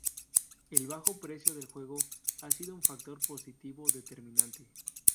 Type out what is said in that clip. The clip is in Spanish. El bajo precio del juego ha sido un factor positivo determinante.